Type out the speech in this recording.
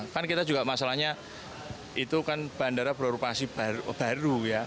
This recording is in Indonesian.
kan kita juga masalahnya itu kan bandara beroperasi baru ya